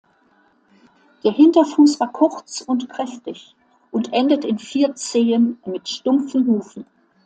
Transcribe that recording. Der Hinterfuß war kurz und kräftig und endet in vier Zehen mit stumpfen Hufen.